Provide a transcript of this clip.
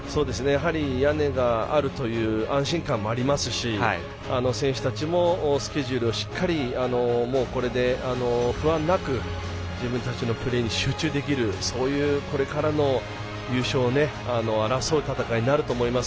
やはり屋根があるという安心感もありますし選手たちもスケジュールをしっかりもう、これで不安なく自分たちのプレーに集中できる、そういうこれからの優勝を争う戦いになると思います。